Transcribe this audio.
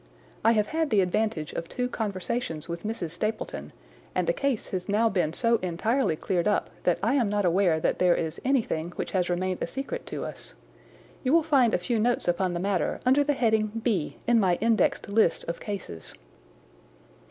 I have had the advantage of two conversations with Mrs. Stapleton, and the case has now been so entirely cleared up that I am not aware that there is anything which has remained a secret to us. You will find a few notes upon the matter under the heading B in my indexed list of cases."